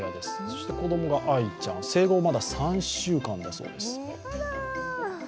そして子供があいちゃん、生後まだ３週間だそうです。